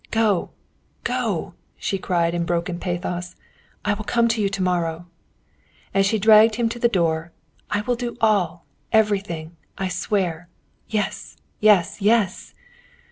"Go, go!" she cried in broken pathos. "I will come to you to morrow." And she dragged him to the door. "I will all do; everything! I swear! Yes! Yes!! Yes!!!"